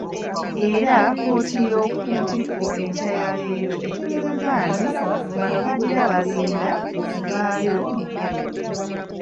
Era kkooti ey'okuntikko enkya yaleero etegeezezza nti bano bagira balinda okuvaayo mu Paalamenti.